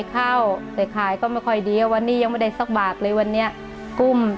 ก็ต้องแคมมแคดีต์ส่วนนี้ว่านี่ยังไม่ได้สักบาทเลยวันนี้กุ้ม